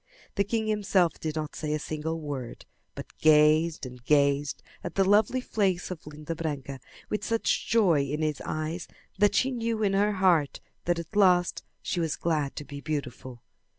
The king himself did not say a single word, but gazed and gazed at the lovely face of Linda Branca with such joy in his eyes that she knew in her heart that at last she was glad to be beautiful.